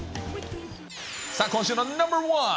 今週のナンバー１。